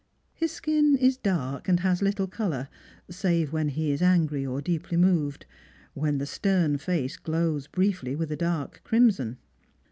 His skin is dark, and has little colour, save when he is angry or deeply moved, when the stern face glows briefly with a dark crimson.